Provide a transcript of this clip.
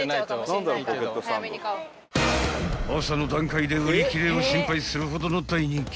［朝の段階で売り切れを心配するほどの大人気］